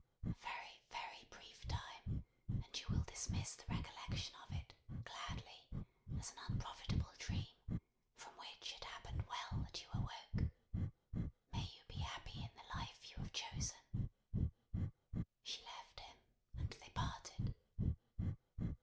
A very, very brief time, and you will dismiss the recollection of it, gladly, as an unprofitable dream, from which it happened well that you awoke. May you be happy in the life you have chosen!" She left him, and they parted.